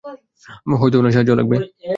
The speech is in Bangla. হয়তো ওনার সাহায্য লাগবে।